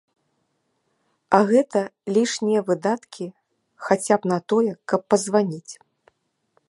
А гэта лішнія выдаткі хаця б на тое, каб пазваніць.